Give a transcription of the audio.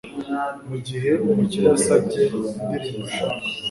mu gihe umukire asabye indirimbo ashaka